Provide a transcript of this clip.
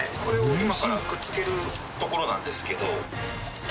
これを今からくっつけるところなんですけど。